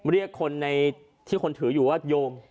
เรียกคนในที่คนถืออยู่ว่าโยม